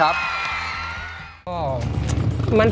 อ่าน